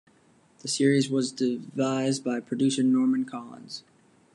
The series was devised by producer Norman Collins.